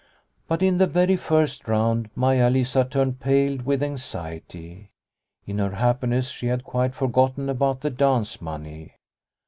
But in the very first round, Maia Lisa turned pale with anxiety. In her happiness she had quite forgotten about the dance money.